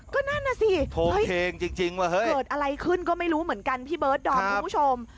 ก็นั่นนะสิเกิดอะไรขึ้นก็ไม่รู้เหมือนกันพี่เบิร์ดดอมคุณผู้ชม